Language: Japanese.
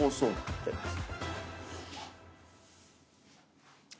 いただきます。